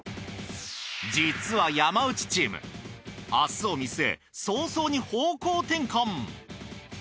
実は山内チーム明日を見据え早々に方向転換。